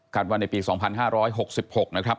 กันวันในปีสองพันห้าร้อยหกสิบหกนะครับ